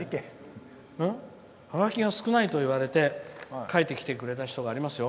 ハガキが少ないと言われて書いてくれた人がありますよ。